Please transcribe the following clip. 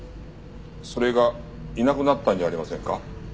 それがいなくなったんじゃありませんか？